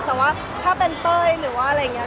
แต่ถ้าเป็นเต้ย